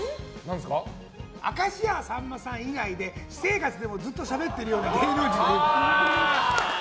明石家さんまさん以外で私生活でもずっとしゃべってそうな芸能人といえば？